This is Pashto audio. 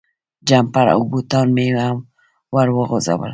جمپر او بوټان مې هم ور وغورځول.